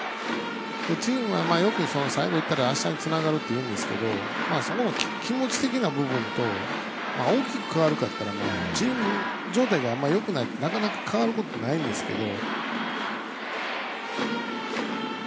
チームがよく、あしたにつながるっていうんですけど気持ち的な部分と大きく変わるかっていったらチーム状態があんまりよくないとなかなか変わることはないと思うんですけど。